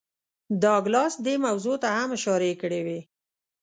ډاګلاس دې موضوع ته هم اشارې کړې وې